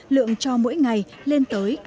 lượng cho mỗi ngày lên tới